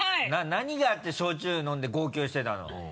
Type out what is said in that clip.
何があって焼酎飲んで号泣してたの？